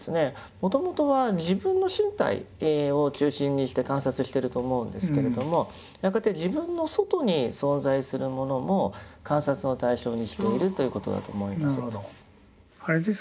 もともとは自分の身体を中心にして観察していると思うんですけれどもやがて自分の外に存在するものも観察の対象にしているということだと思います。